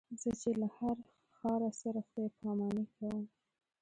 زه چې له هر ښار سره خدای پاماني کوم.